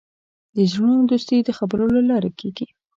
د زړونو دوستي د خبرو له لارې کېږي.